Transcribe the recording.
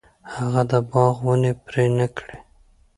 هغه د باغ ونې پرې نه کړې.